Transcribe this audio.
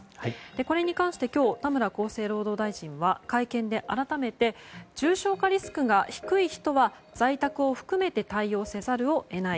これに関して今日、田村厚生労働大臣は会見で改めて重症化リスクが低い人は在宅を含めて対応せざるを得ない。